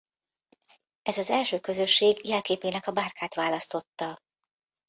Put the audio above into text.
Ez az első közösség jelképének a bárkát választotta.